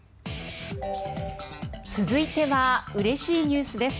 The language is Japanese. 続いてはうれしいニュースです。